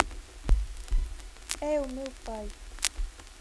_É o meu pai.